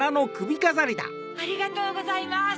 ありがとうございます。